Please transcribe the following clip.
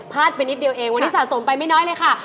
ไปนิดเดียวเองวันนี้สะสมไปไม่น้อยเลยค่ะ